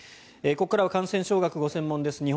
ここからは感染症学がご専門です